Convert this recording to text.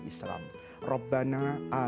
islam rabbana a'ad